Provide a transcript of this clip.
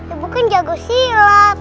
ibu kan jago silat